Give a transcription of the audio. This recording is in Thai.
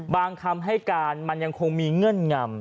คำให้การมันยังคงมีเงื่อนงำ